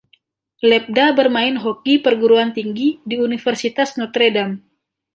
Lebda bermain hoki perguruan tinggi di Universitas Notre Dame.